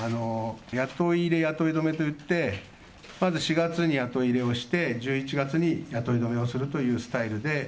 雇い入れ、雇い止めといって、まず４月に雇い入れをして、１１月に雇い止めをするというスタイルで。